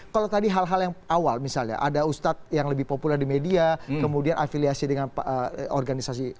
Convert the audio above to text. kalau tadi hal hal yang awal misalnya ada ustadz yang lebih populer di media kemudian afiliasi dengan organisasi